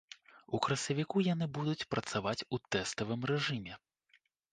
У красавіку яны будуць працаваць у тэставым рэжыме.